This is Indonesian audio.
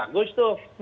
kan bagus tuh